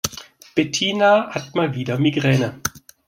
Bettina hat mal wieder Migräne.